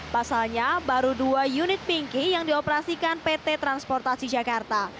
pasalnya baru dua unit pinky yang dioperasikan pt transportasi jakarta